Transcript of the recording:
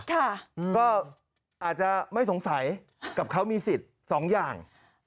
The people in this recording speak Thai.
ก็อาจจะไม่สงสัยกับเขามีสิทธิ์สองอย่าง